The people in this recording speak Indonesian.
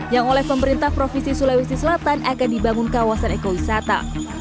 yang oleh pemerintah provinsi sulawesi selatan akan dibangun kawasan ekowisata